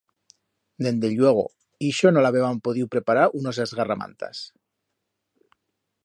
Dende lluego, ixo no l'habeban podiu preparar unos esgarramantas.